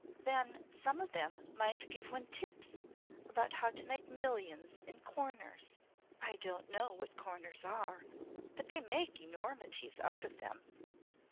Then some of them might give one 'tips' about how to make millions in 'corners.' I don't know what corners are but they make enormities out of them.